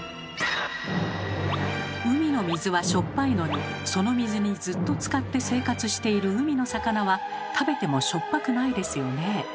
海の水はしょっぱいのにその水にずっとつかって生活している海の魚は食べてもしょっぱくないですよねえ。